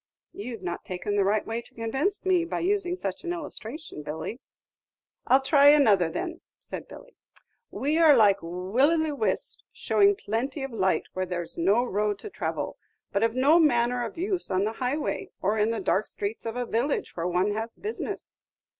"You've not taken the right way to convince me, by using such an illustration, Billy." "I 'll try another, then," said Billy. "We are like Willy the Whisps, showing plenty of light where there's no road to travel, but of no manner of use on the highway, or in the dark streets of a village where one has business."